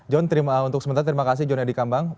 john untuk sebentar terima kasih john yadikambang